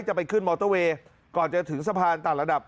จะไปขึ้นมอเตอร์เวย์ก่อนจะถึงสะพานต่างระดับ